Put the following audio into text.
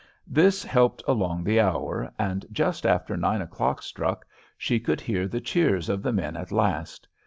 This helped along the hour, and just after nine o'clock struck, she could hear the cheers of the men at last.